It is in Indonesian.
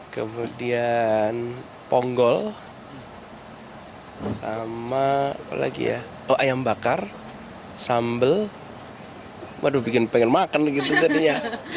kemudian ponggol sama apa lagi ya ayam bakar sambal waduh bikin pengen makan gitu jadinya